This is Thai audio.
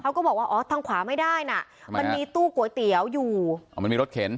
ก็บอกว่าอ๋อทางขวาไม่ได้น่ะมันมีตู้ก๋วยเตี๋ยวอยู่อ๋อมันมีรถเข็น